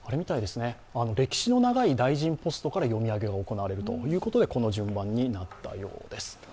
歴史の長い大臣ポストから読み上げが行われるということでこの順番になったようです。